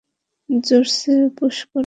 জোরসে পুশ কর!